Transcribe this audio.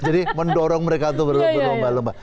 jadi mendorong mereka tuh belum mbak